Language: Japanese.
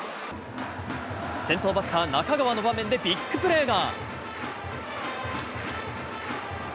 先頭バッター、中川の場面でビッグプレーが。